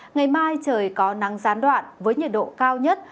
ngày mai trời có nắng gián đoạn với nhiệt độ cao nhất